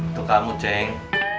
itu kamu ceng